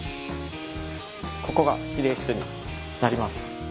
ここが指令室になります。